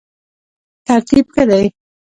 ترتیب ښه دی.